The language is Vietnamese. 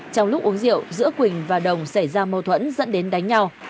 trong lúc uống rượu giữa quỳnh và đồng xảy ra mâu thuẫn dẫn đến đánh nhau